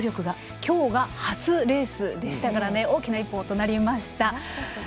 今日が初レースでしたから大きな一歩となりました。